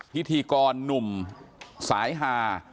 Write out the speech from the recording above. พิธีกรหนุ่มสายฮา